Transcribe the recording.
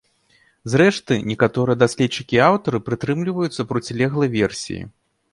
Зрэшты, некаторыя даследчыкі і аўтары прытрымліваюцца процілеглай версіі.